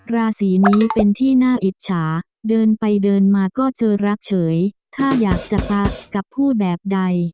ราศีนี้เป็นที่น่าอิจฉาเดินไปเดินมาก็เจอรักเฉยถ้าอยากจะปะกับผู้แบบใด